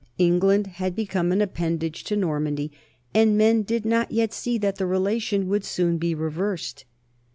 England had become an ap pendage to Normandy, and men did not yet see that the relation would soon be reversed.